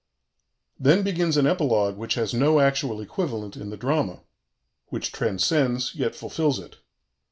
Then begins an epilogue which has no actual equivalent in the drama which transcends yet fulfils it.